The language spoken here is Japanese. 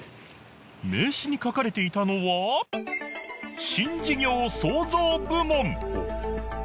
名刺に書かれていたのは「新事業創造部門」